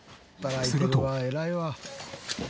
すると。